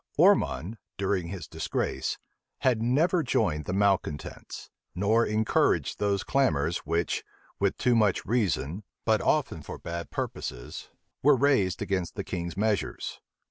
Ormond, during his disgrace, had never joined the malecontents, nor encouraged those clamors which, with too much reason, but often for bad purposes, were raised against the king's measures.